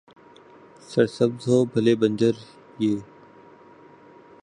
سر سبز ہو، بھلے بنجر، یہ